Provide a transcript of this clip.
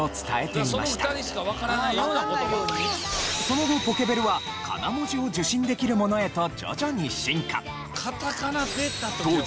その後ポケベルはカナ文字を受信できるものへと徐々に進化。